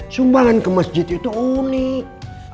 sumbangan ke masjid itu unik